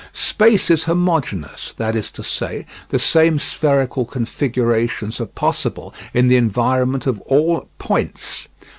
Space is homogeneous, that is to say, the same spherical configurations are possible in the environment of all points.